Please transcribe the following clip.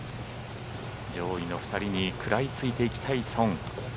上位の２人に食らいついていきたいソン。